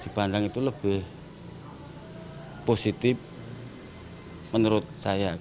dipandang itu lebih positif menurut saya